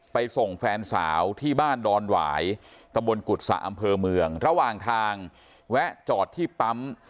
ไปส่งแฟนสาวที่บ้านดอนหวายตะบนกุศะอำเภอเมืองระหว่างทางแวะจอดที่ปั๊ม